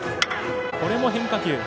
これも変化球。